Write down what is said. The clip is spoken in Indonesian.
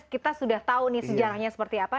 kita sudah tahu nih sejarahnya seperti apa